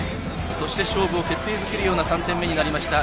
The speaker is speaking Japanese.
そして、勝負を決定づけるような３点目になりました。